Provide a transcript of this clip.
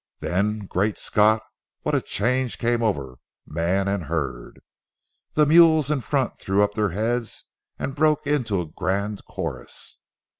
Then, Great Scott! what a change came over man and herd. The mules in front threw up their heads and broke into a grand chorus.